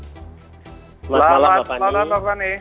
selamat malam bapak ini